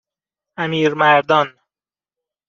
امیرمردان